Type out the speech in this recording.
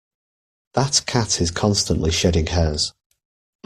That cat is constantly shedding hairs.